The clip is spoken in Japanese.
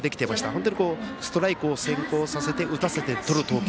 本当にストライクを先行させて打たせてとる投球